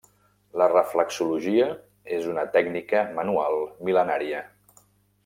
La reflexologia és una tècnica manual mil·lenària.